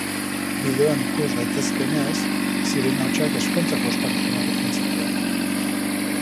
Bideoan ikus daitekeenez, sirena-hotsak ezkontzako ospakizunak eten zituen.